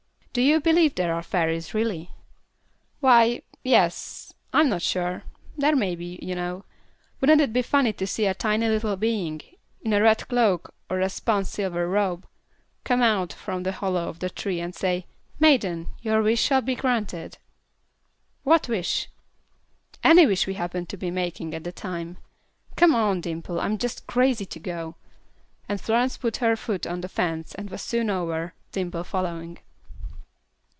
"Do you believe there are fairies, really?" "Why, yes, I'm not sure. There may be, you know. Wouldn't it be funny to see a tiny little being, in a red cloak or a spun silver robe, come out from the hollow of a tree and say, 'Maiden, your wish shall be granted'?" "What wish?" "Any wish we happen to be making at the time. Come on, Dimple, I am just crazy to go." And Florence put her foot on the fence and was soon over, Dimple following.